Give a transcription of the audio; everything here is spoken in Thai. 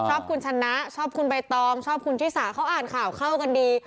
ชอบคุณชนะชอบคุณใบตองชอบคุณชิสาเขาอ่านข่าวเข้ากันดี